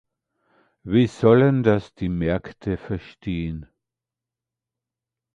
Wie sollen das die Märkte verstehen?